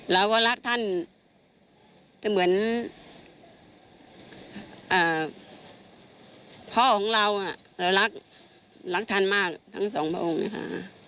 เราก็รักท่านจะเหมือนพ่อของเราเรารักท่านมากทั้งสองพระองค์นะคะ